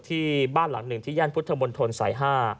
ที่บ้านหลังหนึ่งที่ย่านพุทธมนตรสาย๕